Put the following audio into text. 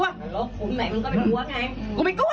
เฮ้ยมึงรู้ดีหว่า